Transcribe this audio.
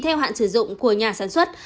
theo hạn sử dụng của nhà sản xuất